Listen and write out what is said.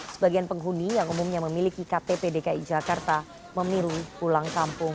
sebagian penghuni yang umumnya memiliki ktp dki jakarta memiru pulang kampung